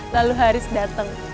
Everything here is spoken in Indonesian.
lalu haris datang